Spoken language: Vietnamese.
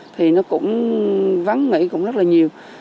thì nó cũng vắng nghĩ cũng rất là nhiều